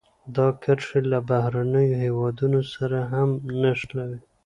دا کرښې له بهرنیو هېوادونو سره هم نښلوي.